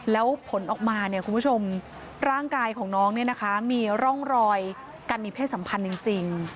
แล้วผลออกมาเนี่ยคุณผู้ชมร่างกายของน้องเนี่ยนะคะมีร่องรอยการมีเพศสัมพันธ์จริง